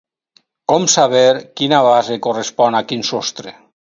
Com saber quina base correspon a quin sostre?